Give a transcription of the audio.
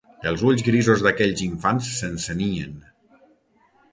Els ulls grisos d'aquells infants s'encenien